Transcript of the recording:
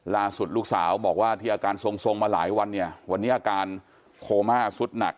ล่าสุดลูกสาวบอกว่าที่อาการทรงมาหลายวันเนี่ยวันนี้อาการโคม่าสุดหนัก